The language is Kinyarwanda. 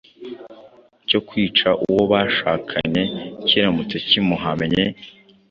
cyo kwica uwo bashakanye kiramutse kimuhamye,